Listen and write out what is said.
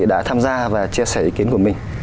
đã tham gia và chia sẻ ý kiến của mình